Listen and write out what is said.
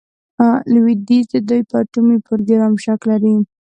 لویدیځ د دوی په اټومي پروګرام شک لري.